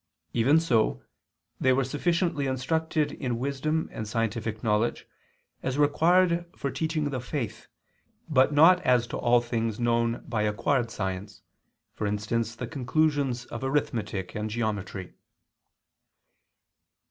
Even so they were sufficiently instructed in wisdom and scientific knowledge, as required for teaching the faith, but not as to all things known by acquired science, for instance the conclusions of arithmetic and geometry.